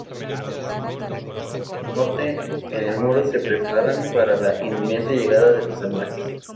Al norte, en el Muro se preparan para la inminente llegada de los salvajes.